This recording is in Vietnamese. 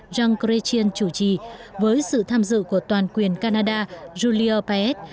jean claude chrétien chủ trì với sự tham dự của toàn quyền canada julio paez